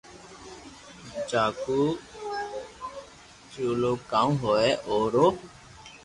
چاڪو جويو ڪاو ھوئي او رو